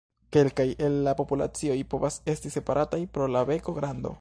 Kelkaj el la populacioj povas esti separataj pro la beko grando.